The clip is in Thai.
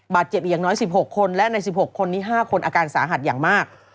บาดเจ็บอีกอย่างน้อย๑๖คนและใน๑๖คนนี้๕คนอาการสาหัสอย่างมาก